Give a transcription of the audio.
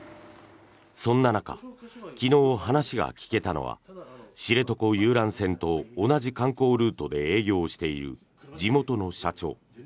そんな中昨日、話が聞けたのは知床遊覧船と同じ観光ルートで営業している地元の社長。